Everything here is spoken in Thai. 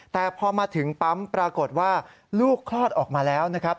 แต่พอมาถึงปั๊มปรากฏว่าลูกคลอดออกมาแล้วนะครับ